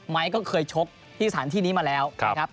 ก็เคยชกที่สถานที่นี้มาแล้วนะครับ